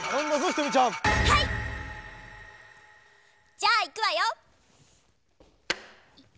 じゃあいくわよ！